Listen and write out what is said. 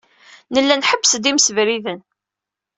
Nella nḥebbes-d imsebriden.